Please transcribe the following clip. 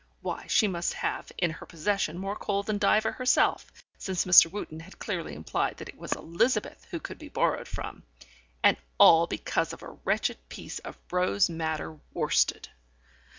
Why, she must have in her possession more coal than Diva herself, since Mr. Wootten had clearly implied that it was Elizabeth who could be borrowed from! And all because of a wretched piece of rose madder worsted.